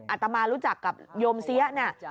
อาตมารู้จักกับโยมเสียเนี่ย